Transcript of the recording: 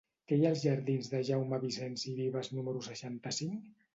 Què hi ha als jardins de Jaume Vicens i Vives número seixanta-cinc?